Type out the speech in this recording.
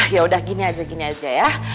ya udah gini aja gini aja ya